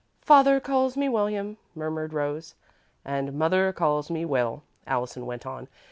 "'Father calls me William,'" murmured Rose. "'And Mother calls me Will,'" Allison went on.